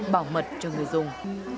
bảo mật cho người dùng